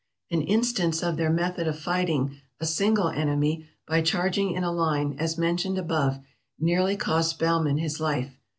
An instance of their method of fighting a single enemy by charging in a line, as mentioned above, nearly cost Baumann his life.